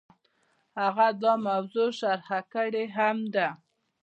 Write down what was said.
هغه دا موضوع شرح کړې هم ده.